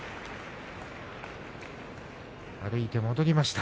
歩いて戻りました。